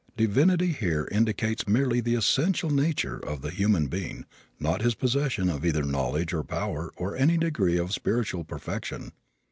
Divinity here indicates merely the essential nature of the human being, not his possession of either knowledge or power or any degree of spiritual perfection.